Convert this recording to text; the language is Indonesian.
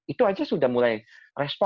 itu aja sudah mulai respon